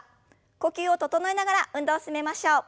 呼吸を整えながら運動を進めましょう。